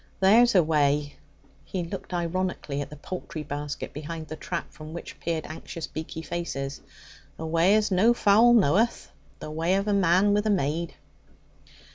"There's a way"' (he looked ironically at the poultry basket behind the trap, from which peered anxious, beaky faces) '"a way as no fowl knoweth, the way of a man with a maid."'